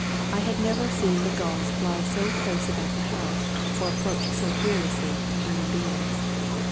I had never seen the gulls fly so close about the house or ap proach so fearlessly to human beings.